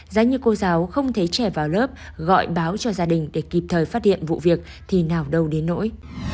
giá như cô giáo không thấy trẻ vào lớp gọi báo cho gia đình để kịp thời phát hiện vụ việc thì nào đâu đến nỗi